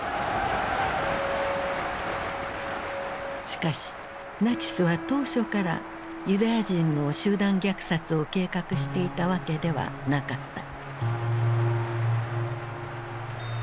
しかしナチスは当初からユダヤ人の集団虐殺を計画していたわけではなかった。